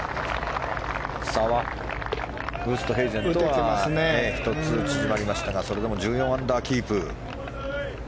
差はウーストヘイゼンとは１つ縮まりましたがそれでも１４アンダーキープ。